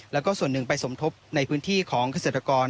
แล้วก็ส่วนหนึ่งไปสมทบในพื้นที่ของเกษตรกร